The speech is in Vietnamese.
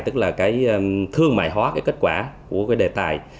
tức là cái thương mại hóa cái kết quả của cái đề tài